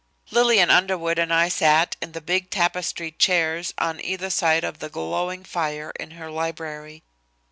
Lillian Underwood and I sat in the big tapestried chairs on either side of the glowing fire in her library.